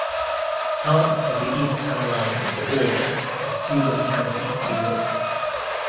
Part of the east town line is the border of Steuben County, New York.